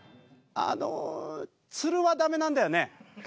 あの鶴は駄目なんだよね。